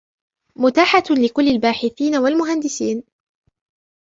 متاحة لكل الباحثين و المهندسين